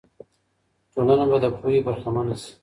ټولنه به د پوهې برخمنه سي.